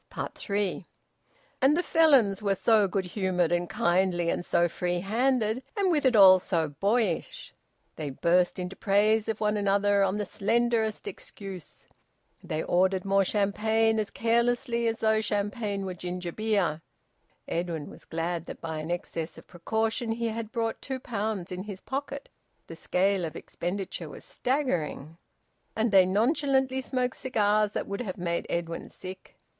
THREE. And the Felons were so good humoured and kindly and so free handed, and, with it all, so boyish! They burst into praise of one another on the slenderest excuse. They ordered more champagne as carelessly as though champagne were ginger beer (Edwin was glad that by an excess of precaution he had brought two pounds in his pocket the scale of expenditure was staggering); and they nonchalantly smoked cigars that would have made Edwin sick.